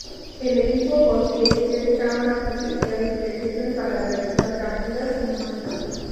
El equipo posee tres cámaras especiales que sirven para realizar capturas y muestras.